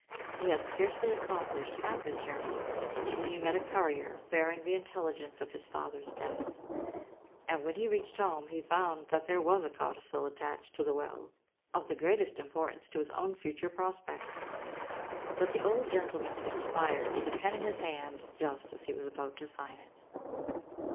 He had scarcely accomplished half his journey, when he met a courier, bearing the intelligence of his father's death; and when he reached home, he found that there was a codicil attached to the will, of the greatest importance to his own future prospects; but the old gentleman had expired, with the pen in his hand, just as he was about to sign it!